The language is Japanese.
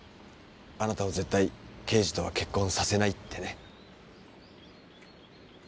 あなたを絶対刑事とは結婚させないってね。